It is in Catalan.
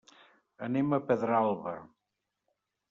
Anem a Pedralba.